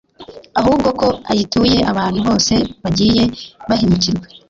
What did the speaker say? ahubwo ko ayituye abantu bose bagiye bahemukirwa